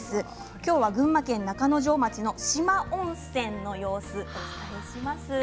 今日は群馬県中之条町の四万温泉の様子をお伝えします。